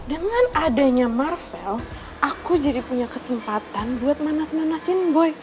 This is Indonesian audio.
dengan adanya marvel aku jadi punya kesempatan buat manas manasin boy